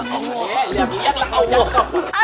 ya lihatlah kau